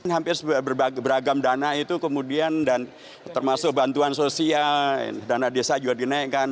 hampir beragam dana itu kemudian dan termasuk bantuan sosial dana desa juga dinaikkan